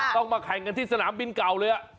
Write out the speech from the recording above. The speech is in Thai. ต้องมาแข่งกันที่สนามบินเก่าเลย